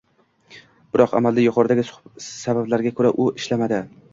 Biroq, amalda, yuqoridagi sabablarga ko'ra, u ishlamadi